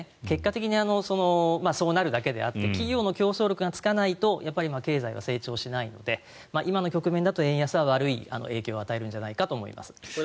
結果的にそうなるだけであって企業の競争力がつかないとやっぱり経済は成長しないので今の局面だと円安は悪い影響を与えるんじゃないかと思います。